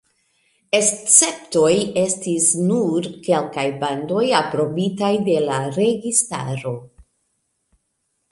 Esceptoj estis nur kelkaj bandoj aprobitaj de la registaro.